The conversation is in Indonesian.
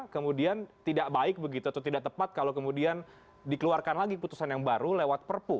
kemudian tidak baik begitu atau tidak tepat kalau kemudian dikeluarkan lagi putusan yang baru lewat perpu